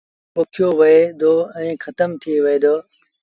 جڏهيݩٚ اوٚ پوکيو وهي دو ائيٚݩٚ کتم ٿئي دو